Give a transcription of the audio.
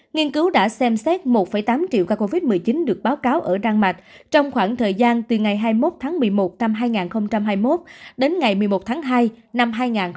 nghiên cứu đã xem xét một tám triệu ca covid một mươi chín được báo cáo ở đan mạch trong khoảng thời gian từ ngày hai mươi một tháng một mươi một năm hai nghìn hai mươi một đến ngày một mươi một tháng hai năm hai nghìn hai mươi